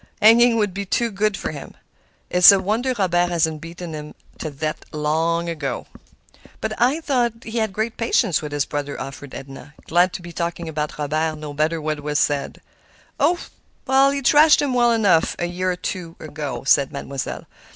hanging would be too good for him. It's a wonder Robert hasn't beaten him to death long ago." "I thought he had great patience with his brother," offered Edna, glad to be talking about Robert, no matter what was said. "Oh! he thrashed him well enough a year or two ago," said Mademoiselle.